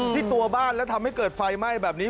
ที่ตัวบ้านแล้วทำให้เกิดไฟไหม้แบบนี้